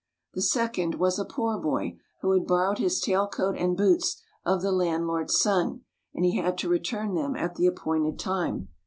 The second was a poor boy, who had borrowed his tail coat and boots of the landlord's son, and he had to return them at the appointed time.